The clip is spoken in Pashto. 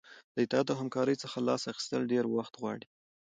له اطاعت او همکارۍ څخه لاس اخیستل ډیر وخت غواړي.